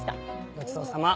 ごちそうさま。